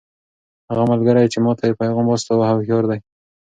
هغه ملګری چې ما ته یې پیغام واستاوه هوښیار دی.